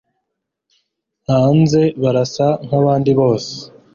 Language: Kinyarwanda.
hanze barasa nkabandi bose